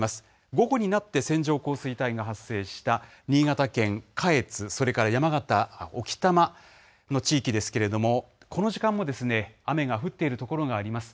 午後になって線状降水帯が発生した新潟県下越、それから山形・置賜の地域ですけれども、この時間も雨が降っている所があります。